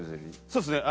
そうですね。